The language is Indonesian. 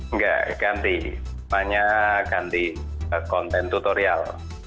nggak ganti pertama ganti konten tutorial